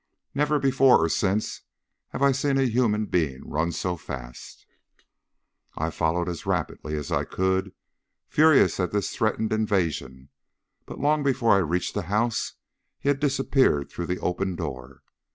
Never before or since have I seen a human being run so fast. I followed as rapidly as I could, furious at this threatened invasion, but long before I reached the house he had disappeared through the open door.